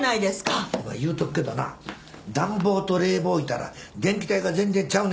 お前言うとくけどな暖房と冷房いうたら電気代が全然ちゃうねんど。